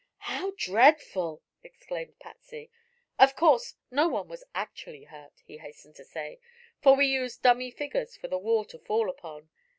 "How dreadful!" exclaimed Patsy. "Of course no one was actually hurt," he hastened to say; "for we used dummy figures for the wall to fall upon.